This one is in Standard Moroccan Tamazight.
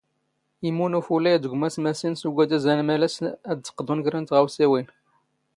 ⵉⵎⵓⵏ ⵓⴼⵓⵍⴰⵢ ⴷ ⴳⵎⴰⵙ ⵎⴰⵙⵉⵏ ⵙ ⵓⴳⴰⴷⴰⵣ ⴰⵏⵎⴰⵍⴰⵙⵙ ⴰⴷ ⴷ ⵇⵇⴹⵓⵏ ⴽⵔⴰ ⵏ ⵜⵖⴰⵡⵙⵉⵡⵉⵏ.